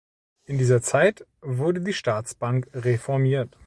In dieser Zeit wurde die Staatsbank reformiert.